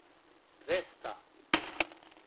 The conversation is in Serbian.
двеста